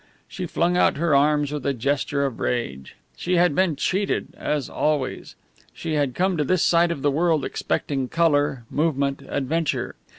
She flung out her arms with a gesture of rage. She had been cheated, as always. She had come to this side of the world expecting colour, movement, adventure.